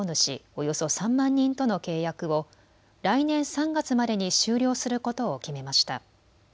およそ３万人との契約を来年３月までに終了することを決めました。